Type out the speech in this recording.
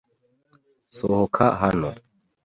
Sohoka hano!